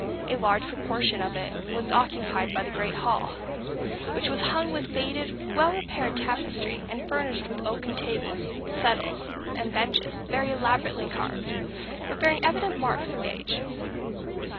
A large proportion of it was occupied by the great hall, which was hung with faded, well repaired tapestry, and furnished with oaken tables, settles, and benches, very elaborately carved, but bearing evident marks of age.